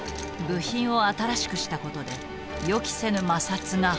部品を新しくしたことで予期せぬ摩擦が発生した。